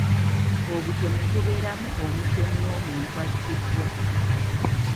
Obutemu bubeeramu omutemu n'omuntu attiddwa.